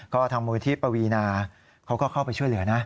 ก็ทางมูลที่ปวีนาเขาก็เข้าไปช่วยเหลือนะ